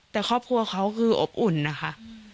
แต่ครอบครัวเขาคืออบอุ่นนะคะ